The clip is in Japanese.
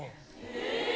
・え！